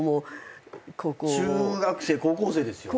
中学生高校生ですよね？